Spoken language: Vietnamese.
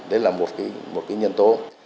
đấy là một cái nhân tố